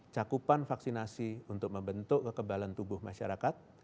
cakupan vaksinasi untuk membentuk kekebalan tubuh masyarakat